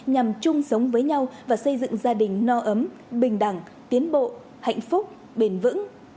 nhằm chung sống với nhau và xây dựng gia đình no ấm bình đẳng tiến bộ hạnh phúc bền vững